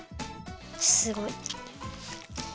すごい。